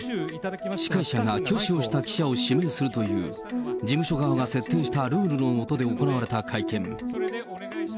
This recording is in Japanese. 司会者が挙手をした記者を指名するという、事務所側が設定したルールのもとで行われた会見。